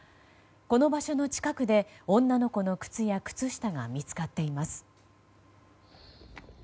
この場所の近くで女の子の靴や靴下が見つかっています。